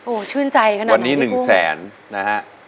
โอ้ชื่นใจขนาดนี้๑แสนนะฮะ